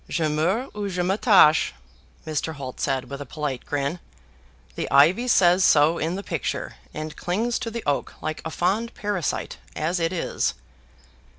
"Je meurs ou je m'attache," Mr. Holt said with a polite grin. "The ivy says so in the picture, and clings to the oak like a fond parasite as it is."